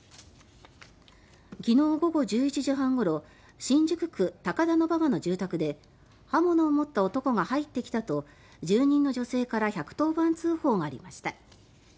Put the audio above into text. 昨日午後１１時半ごろ新宿区高田馬場の住宅で刃物を持った男が入ってきたと住人の女性から１１０番通報がありました。